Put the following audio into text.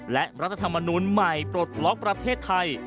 และรัฐธรรมนูลใหม่ปลดล็อกประเทศไทย